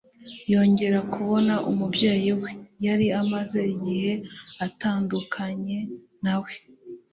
Yongera kubona umubyeyi we, yari amaze igihe atandukanye na we.